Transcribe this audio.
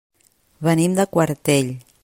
Venim de Quartell.